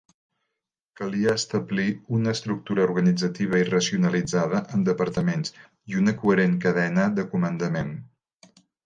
Calia establir una estructura organitzativa i racionalitzada en departaments i una coherent cadena de comandament.